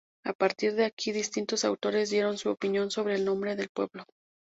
A partir de aquí, distintos autores dieron su opinión sobre el nombre del pueblo.